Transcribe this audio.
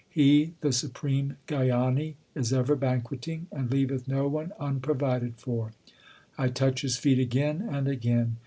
He, the Supreme Gyani, is ever banqueting, And leaveth no one unprovided for : I touch His feet again and again.